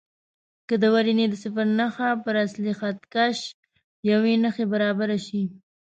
که د ورنیې د صفر نښه پر اصلي خط کش یوې نښې برابره شي.